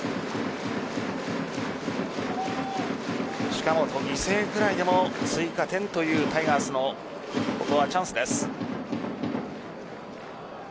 近本、犠牲フライでも追加点というタイガースのここはチャンスです。